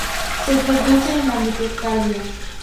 Se produce en la mitocondria.